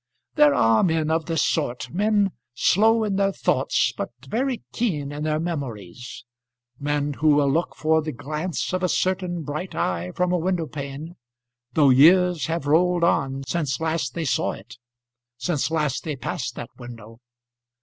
There are men of this sort, men slow in their thoughts but very keen in their memories; men who will look for the glance of a certain bright eye from a window pane, though years have rolled on since last they saw it, since last they passed that window.